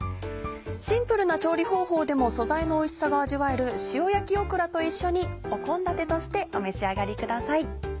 シンプルな調理方法でも素材のおいしさが味わえる「塩焼きオクラ」と一緒に献立としてお召し上がりください。